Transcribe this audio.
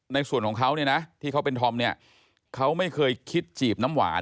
ในส่วนของเขาเนี่ยนะที่เขาเป็นธอมเนี่ยเขาไม่เคยคิดจีบน้ำหวาน